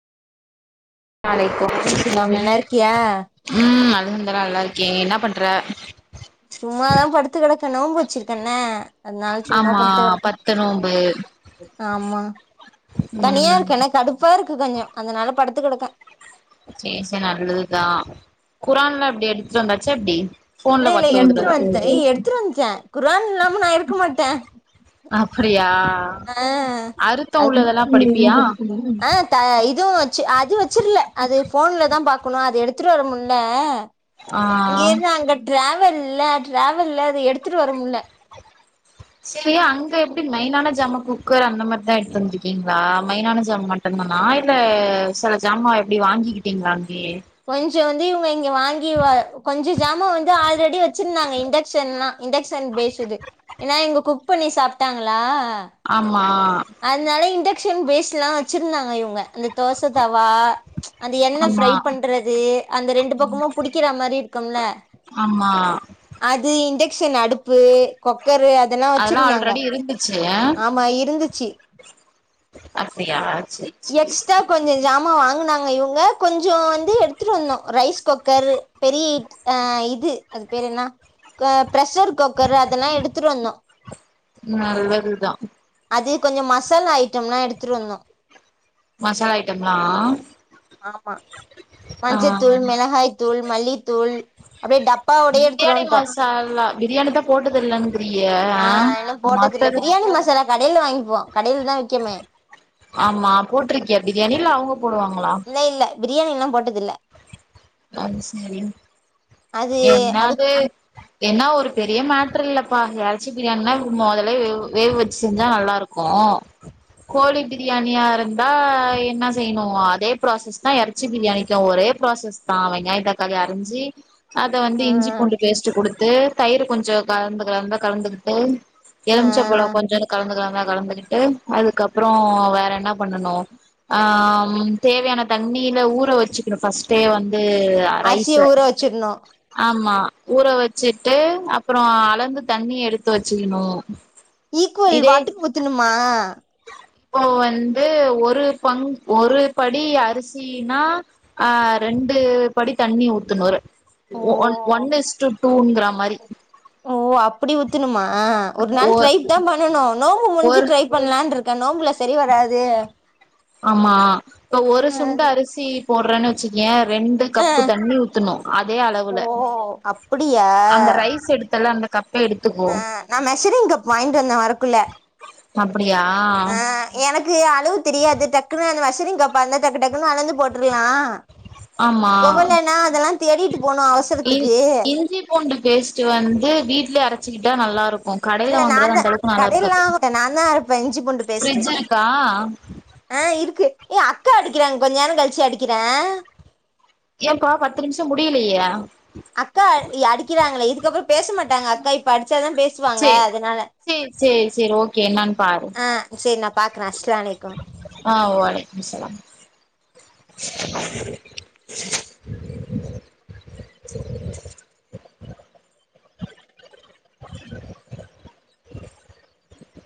லா இருக்கு இஸ்லாம் நல்லா இருக்கியா ம் அது உண்ம தா நல்லா இருக்கே என்ன பண்ற சும்மாதா படுத்து கெடக்க நோம்பு வச்சிருக்க என்ன அதனால சும்மா ஆமா படுத்து பத்து கெடக்க நோம்பு ஆமா தனியா ம் இருக்கு என்ன கடுப்பா இருக்கு கொஞ்சோ அதனால படுத்துக்கெடக்க சேர் சேரி நல்லதுதா குரான்லா எப்டி எடுத்துட்டு வந்தாச்சா எப்டி இல்ல ஃபோன்ல இல்ல பாத்து எடுத்துட்டு ஓதுறதா வந்துட்ட ஏ எடுத்துட்டு வந்துட்ட குரான் இல்லாம நா இருக்க மாட்ட அப்டியா அ அறுத்தோ அது உள்ளதெல்லா படிப்பியா [unintelligible] அ த இதுவு வச்சு அது வச்சிட்ல அது ஃபோன்ல தா பாக்கணு அது எடுத்துட்டு வரமுட்ல ஆ இங்க இருந்து அங்க ட்ரவல்ல ட்ரவல்ல அத எடுத்துட்டு வர முட்ல சேரி அங்க எப்டி மெய்னான ஜாமா குக்கர் அந்த மாரிதா எடுத்துட் வந்துருக்கீங்ளா மைனான ஜாமான் இப்ப நா என்ன சில ஜாமா எப்டி வாங்கிக்கிட்டீங்களா அங்கேயே கொஞ்சோ வந்து இவங்க இங்க வாங்கி வ கொஞ்சோ ஜாமா வந்து ஆல்ரெடி வச்சிருந்தாங்க இண்டக்ஷன்லா இண்டக்ஷன் பேஷுது ஏனா இங்க கு குக் பண்ணி சாப்ட்டாங்களா ஆமா அன்னால இண்டக்ஷன் பேஸ்லா வச்சிருந்தாங்க இவங்க அந்த தோச தவா அந்த எண்ண ஆமா ஃப்ரை பண்றது அந்த ரெண்டு பக்கமு புடிக்கிற மாரி இருக்கும்ல ஆமா அது இன்டெக்ஷன் அடுப்பு கொக்கரு அதெல்லா வச்சிருந்தாங்க சே ய அமா இருந்துச்சி அப்டியா சேரி சேரி எக்ஸ்ட்ரா சேரி கொஞ்ச ஜாமா வாங்குனாங்க இவுங்க கொஞ்சோ வந்து எடுத்துட்டு வந்நோ ரைஸ் கொக்கர் பெரிய இட் அ இது அது பேரு என்ன க ப்ரஷர் கொக்கரு அதெல்லா எடுத்துட்டு வந்தோ நல்லதுதா அது கொஞ்சோ மசாலா ஐட்டம்லா எடுத்துட்டு வந்தோ மசாலா ஐட்டம் லா ஆமா மஞ்சத்தூள் மிளகாய் தூள் மல்லித்தூள் அப்டியே டப்பா பிரியாணி மசாலா பிரியாணி தா போட்டதுல்ல்லங்கிறிய ஆ போட்டது இல்ல பிரியாணி மசாலா கடைல வாங்கிப்போ கடையில தா விக்கமே ஆமா போட்ருக்கியா பிரியாணி இல்ல அவங்க போடுவாங்களா இல்ல இல்ல பிரியாணி இன்னு போட்டதுல்ல அது சரி அது அது என்னது ஏன்னா ஒரு பெரிய மட்ரு இல்லப்பா எறச்சி பிரியாணினா மொதலே வே வேக வச்சு செஞ்சா நல்லா இருக் கு கோழி பிரியாணியா இருந்தா என்ன செய்யணு அதே ப்ராசஸ் தா இற ஒரே ப்ராசஸ் பா வெங்காயோ தக்காளி அரிஞ்சி அத வந்து ஆ இஞ்சி பூண்டு பேஸ்ட்ட்டு குடுத் து தயிர் கொஞ்சோ கலந்து கலந்த கலந்துகுட்டு ஆ எலுமிச்ச பழோ கொஞ்சோன்டு கலந்துக்குறாந்தா கலந்துகுட்டு அதுக்கப்றோ வேற என்ன பண்ணனு ஆ‌ தேவையான தண்ணியில ஊற வச்சுக்கணு ஃபஸ்ட்டே வந் து அ ரைச அரிசிய ஊற வச்சிர்ணு ஆமா ஊற வச்சிட்டு அப்றோ அளந்து தண்ணிய எடுத்து வச்சுக்கிணு ஈக்குவல் வாட்டுக்கு ஊத்தனுமா இப்போ வந்து ஒரு பங் ஒரு படி அரிசீனா ஆ ரெண்டு படி தண்ணி ஊத்துனொறு ஓ ஒ ஒன் ஒன் ஈஸ்ட்டு டூங்குற மாரி ஓ அப்டி ஊத்துணுமா ஒரு ஒ நாள் ட்ரைப் தா பண்ணனு நோம்பு முடிஞ்சி ஒரு ட்ரை பன்லான்ருக்க நோம்புல சரி வராது ஆமா இப்ப ஒரு சுண்ட அரிசி போட்றன்னு வச்சுக்குயே ரெண்டு அ கப்பு தண்ணி ஊத்துணு அதே அளவுல ஓ அப்டியா அந்த ரைஸ் எடுத்தல அந்த கப் எடு ஆ நா மெஷரிங் கப் வாங்கிட்டு வந்த வரக்குள்ள அப்படியா அஹ், எனக்கு அளவு தெரியாது டக்குன்னு அந்த மெஷரிங் கப்பா இருந்தா டக்கு டக்குன்னு அளந்து போட்ருலா ஆமா கொவலன்னா அதெல்லா தேடிட்டு போனு இஞ் அவசரத்துக்கு இஞ்சி பூண்டு பேஸ்ட்டு வந்து வீட்லயே அரைச்சிக்கிட்டா நல்லாருக்கு இல்ல கடையில நா வாங்குறது தா அந்த அளவுக்கு நல்லாருக்காது கடைலலா நா தா அறப்ப இஞ்சி பூண்டு பேஸ்ட்டு ஃபிரிட்ஜ் இருக்கா ஆ இருக்கு ஏ அக்கா அடிக்கிறாங்க கொஞ்ச நேரோ கழிச்சு அடிக்கிற ஏப்பா பத்து நிமிஷோ முடியலயே அக்கா இ அடிக்கிறாங்களே இதுக்கப்றோ பேசமாட்டாங்க அக்கா இப்ப அடிச்சாதா பேசுவாங்க சேரி அதனால சேரி சேரி சேரி ஓகே என்னானு பாரு சேரி நா பாக்குற அஸ்லாம் மலைக்கு ஆ வலைக்கும் ஸலாம்